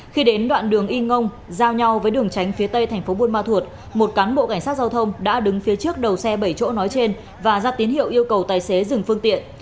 khi đến đoạn đường y ngông giao nhau với đường tránh phía tây thành phố buôn ma thuột một cán bộ cảnh sát giao thông đã đứng phía trước đầu xe bảy chỗ nói trên và ra tín hiệu yêu cầu tài xế dừng phương tiện